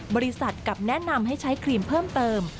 บริษัทกลับแนะนำให้ใช้ครีมเพิ่มเติม